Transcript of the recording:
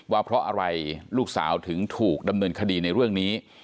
ว่าเพราะอะไรลูกสาวถึงถูกดำเนินคดีในเรื่องนี้